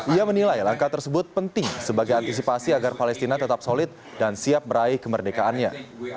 ia menilai langkah tersebut penting sebagai antisipasi agar palestina tetap solid dan siap meraih kemerdekaannya